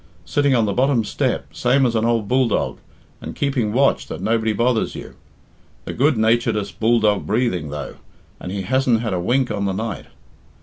Sitting on the bottom step same as an ould bulldog, and keeping watch that nobody bothers you. The good naturedst bulldog breathing, though, and he hasn't had a wink on the night.